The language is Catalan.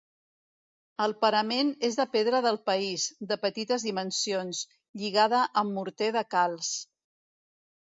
El parament és de pedra del país, de petites dimensions, lligada amb morter de calç.